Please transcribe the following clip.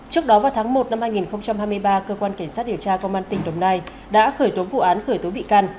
trước đó vào tháng một năm hai nghìn hai mươi ba cơ quan cảnh sát điều tra công an tỉnh đồng nai đã khởi tố vụ án khởi tố bị can